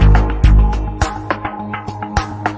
วิ่งเร็วมากครับ